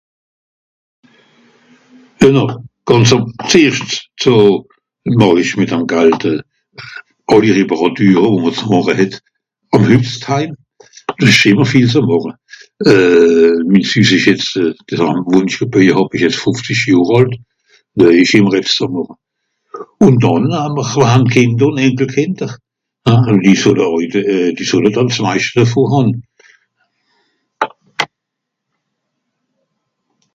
donà gànzer ... zu màch'isch mìt'm gald àlli reparature ùn wàs màche het àù hüss t'haim do esch ìmmer viel zu màche euh mins hüss esch jetz .... gebeuje hàb esch jetz fòfzisch johr àlt do esch ìmmer ebs zu màche ùn dànn nammr ... ìn de kìnder die sotte euj de euh die solle s'meischte vor hàn